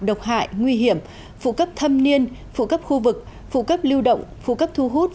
độc hại nguy hiểm phụ cấp thâm niên phụ cấp khu vực phụ cấp lưu động phụ cấp thu hút